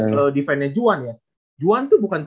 kalo defendnya juhan ya juhan tuh bukan